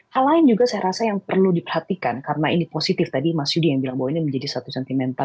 hal lain juga saya rasa yang perlu diperhatikan karena ini positif tadi mas yudi yang bilang bahwa ini menjadi satu sentimental